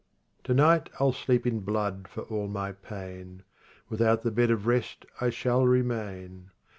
19 To night I'll sleep in blood for all my pain ; Without the bed of rest I shall remain.